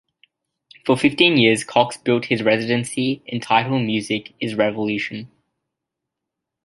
For fifteen years, Cox built his residency entitled Music is Revolution.